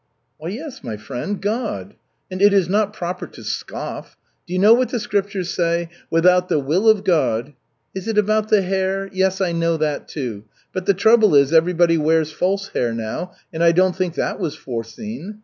"Why, yes, my friend, God. And it is not proper to scoff. Do you know what the Scriptures say? 'Without the will of God '" "Is it about the hair? Yes, I know that, too. But the trouble is, everybody wears false hair now, and I don't think that was foreseen.